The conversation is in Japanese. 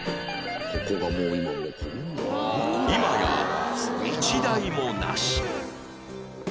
今や一台もなし